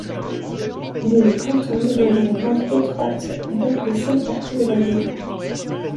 Il les cantonne dans une bande étroite d'un des cinq quartiers de la ville.